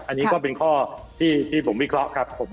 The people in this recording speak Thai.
อันนี้ก็เป็นข้อที่ผมวิเคราะห์ครับผม